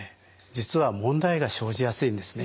実は問題が生じやすいんですね。